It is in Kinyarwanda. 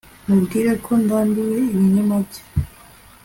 Mubwire ko ndambiwe ibinyoma bye